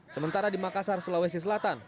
sementara di makassar sulawesi selatan